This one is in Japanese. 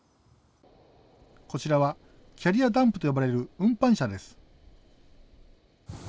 こちらはキャリアダンプと呼ばれる運搬車です。